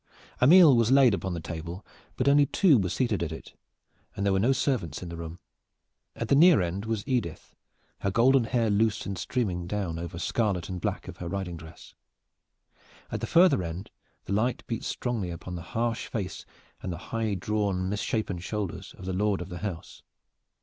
A meal was laid upon the table, but only two were seated at it, and there were no servants in the room. At the near end was Edith, her golden hair loose and streaming down over the scarlet and black of her riding dress. At the farther end the light beat strongly upon the harsh face and the high drawn misshapen shoulders of the lord of the house.